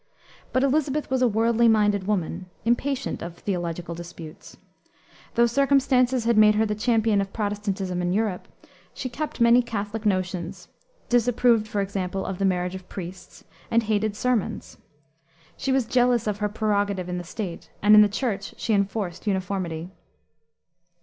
But Elisabeth was a worldly minded woman, impatient of theological disputes. Though circumstances had made her the champion of Protestantism in Europe, she kept many Catholic notions, disapproved, for example, of the marriage of priests, and hated sermons. She was jealous of her prerogative in the State, and in the Church she enforced uniformity.